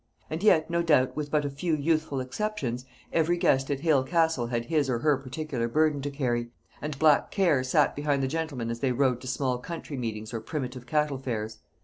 And yet, no doubt, with but a few youthful exceptions, every guest at Hale Castle had his or her particular burden to carry, and black Care sat behind the gentlemen as they rode to small country meetings or primitive cattle fairs.